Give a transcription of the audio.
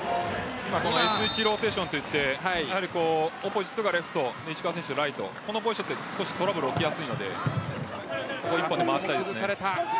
Ｓ１ローテーションといってオポジットがレフト石川選手、ライトこのポジションは少しトラブルが起きやすいので１本で回したいですね。